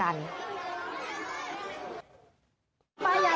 ไปอย่ารอไปไปอย่ารอ